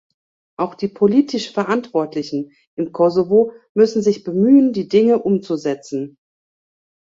Auch die politisch Verantwortlichen im Kosovo müssen sich bemühen, die Dinge umzusetzen.